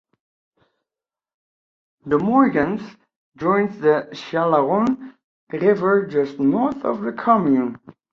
The Moignans joins the Chalaronne river just north of the commune.